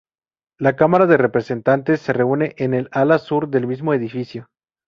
La Cámara de Representantes se reúne en el ala sur del mismo edificio.